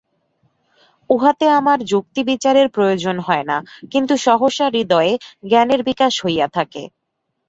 উহাতে আর যুক্তিবিচারের প্রয়োজন হয় না, কিন্তু সহসা হৃদয়ে জ্ঞানের বিকাশ হইয়া থাকে।